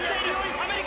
アメリカ